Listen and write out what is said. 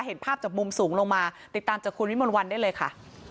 เห็นภาพจากมุมสูงลงมาติดตามจากคุณวิมนต์วันได้เลยค่ะ